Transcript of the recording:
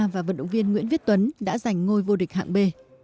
và vận động viên nguyễn viết tuấn đã giành ngôi vô địch hạng b